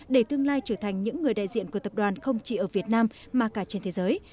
để tương lai trở thành những người đại diện của tập đoàn không chỉ ở việt nam mà cả trên thế giới